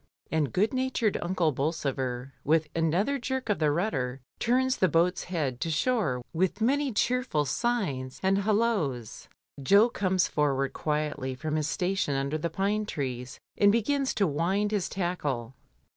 And good natured Unde Bolsover, with another jerk of the rudder, turns the boat's head to shore with many cheerful signs and halloas. Jo comes forward quietly from his station under the pine trees, and begins to wind his tackle.